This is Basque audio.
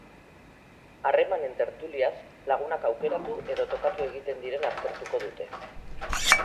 Harremanen tertuliaz lagunak aukeratu edo tokatu egiten diren aztertuko dute.